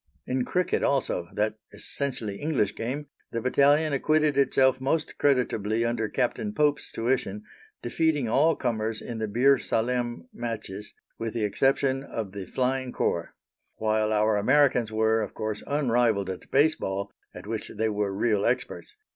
In cricket also that essentially English game the battalion acquitted itself most creditably under Captain Pope's tuition, defeating all comers in the Bir Salem matches, with the exception of the Flying Corps; while our Americans were, of course, unrivalled at base ball, at which they were real experts.